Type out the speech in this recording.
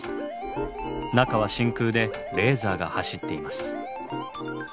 中は真空でレーザーが走っています。